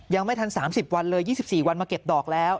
ยังไม่ทันสามสิบวันเลยยี่สิบสี่วันมาเก็บดอกแล้ว